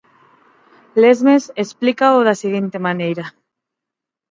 Lesmes explícao da seguinte maneira.